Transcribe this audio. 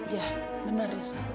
iya benar haris